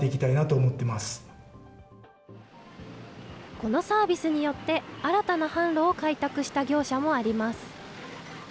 このサービスによって、新たな販路を開拓した業者もあります。